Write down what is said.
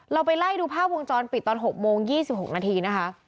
เราไปไล่ดูภาพวงจรปิดตอน๖โมง๒๖นาทีนะคะ